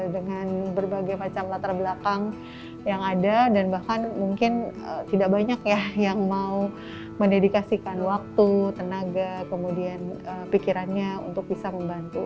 dengan berbagai macam latar belakang yang ada dan bahkan mungkin tidak banyak ya yang mau mendedikasikan waktu tenaga kemudian pikirannya untuk bisa membantu